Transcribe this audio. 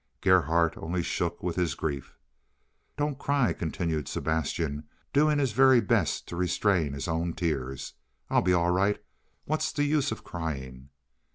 Gerhardt only shook with his grief. "Don't cry," continued Sebastian, doing his very best to restrain his own tears. "I'll be all right. What's the use of crying?"